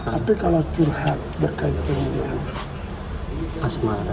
tapi kalau curhat berkaitan dengan asmara